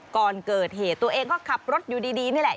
ก่อนเกิดเหตุตัวเองก็ขับรถอยู่ดีนี่แหละ